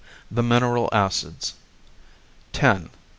The Mineral Acids 94 X.